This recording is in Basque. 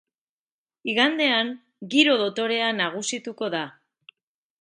Igandean giro dotorea nagusituko da.